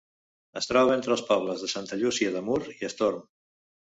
Es troba entre els pobles de Santa Llúcia de Mur i Estorm.